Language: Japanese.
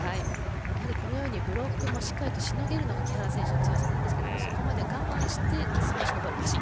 このようにブロックもしっかりとしのげるのが木原選手の強さなんですがそこまで我慢してスマッシュで、ぱしっ。